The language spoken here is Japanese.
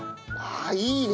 あいいね。